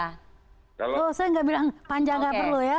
oh saya nggak bilang panja nggak perlu ya